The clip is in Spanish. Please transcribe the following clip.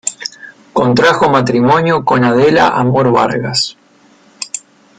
Contrajo matrimonio con Adela Amor Vargas.